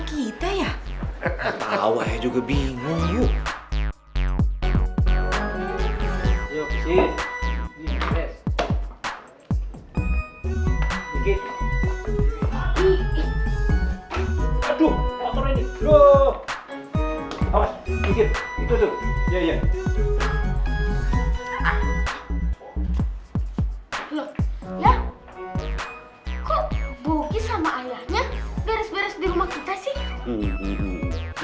kita ya atau juga bingung yuk aduh